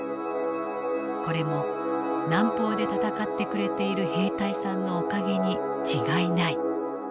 これも南方で戦って呉ている兵隊さんのお蔭にちがいない」。